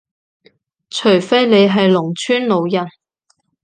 除非你係農村老人